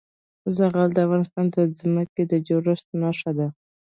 زغال د افغانستان د ځمکې د جوړښت نښه ده.